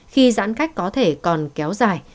khi giãn cách có thể còn kéo dài